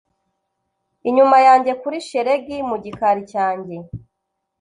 Inyuma yanjye kuri shelegi mu gikari cyanjye